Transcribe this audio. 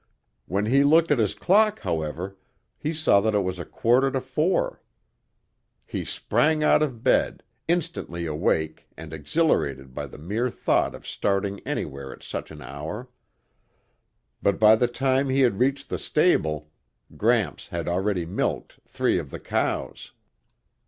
When he looked at his clock, however, he saw that it was a quarter to four. He sprang out of bed, instantly awake and exhilarated by the mere thought of starting anywhere at such an hour. But by the time he had reached the stable, Gramps had already milked three of the cows.